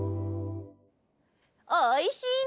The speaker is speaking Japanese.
おいしいね。